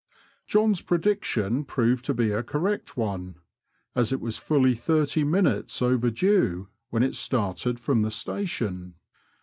John's prediction proved to be a correct one, as it was fully thirty minutes overdue when it started from the station.